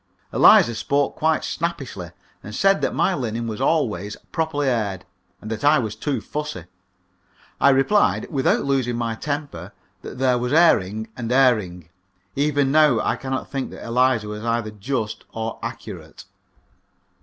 Eliza spoke quite snappishly, and said that my linen was always properly aired, and that I was too fussy. I replied, without losing my temper, that there was airing and airing. Even now I cannot think that Eliza was either just or accurate.